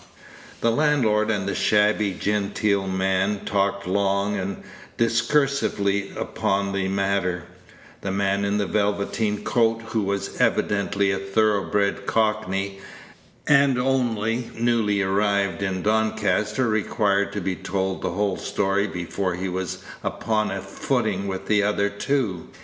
The landlord and the shabby genteel man talked long and discursively upon the matter; the man in the velveteen coat, who was evidently a thoroughbred Cockney, and only newly arrived in Doncaster, required to be told the whole story before he was upon a footing with the other two.